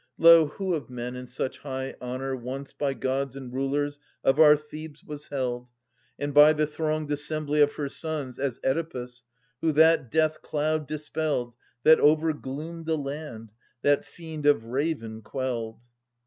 770 {AnU 4.) Lo, who of men in such high honour once By Gods and rulers of our Thebes was held, And by the thronged assembly of her sons. As Oedipus, who that death cloud dispelled That overgloomed the land, that fiend of ravin quelled